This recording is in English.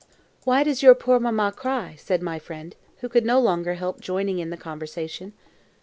"Why does your poor mamma cry?" said my friend, who could no longer help joining in the conversation.